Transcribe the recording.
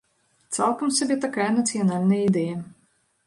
Цалкам сабе такая нацыянальная ідэя.